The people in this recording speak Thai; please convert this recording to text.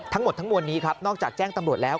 ทั้งหมดทั้งมวลนี้ครับนอกจากแจ้งตำรวจแล้ว